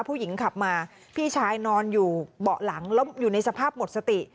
ผู้หญิงขับมาพี่ชายนอนอยู่เบาะหลังแล้วอยู่ในสภาพหมดสติ